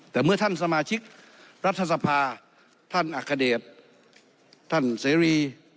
แต่เมื่อท่านสมาชิกรัฐสภาท่านอัคเดชท่านเสรี